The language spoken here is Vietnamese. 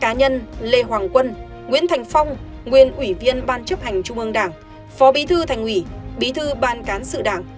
cá nhân lê hoàng quân nguyễn thành phong nguyên ủy viên ban chấp hành trung ương đảng phó bí thư thành ủy bí thư ban cán sự đảng